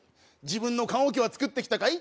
自分の棺桶は作ってきたかい？